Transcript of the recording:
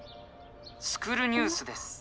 「スクる！ニュース」です。